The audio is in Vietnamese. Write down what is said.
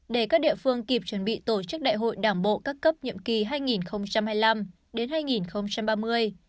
để các địa phương kịp chuẩn bị tổ chức đại hội đảng bộ các cấp nhiệm kỳ hai nghìn hai mươi năm đến hai nghìn ba mươi